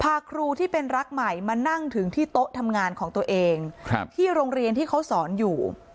พาครูที่เป็นรักใหม่มานั่งถึงที่โต๊ะทำงานของตัวเองที่โรงเรียนที่เขาสอนอยู่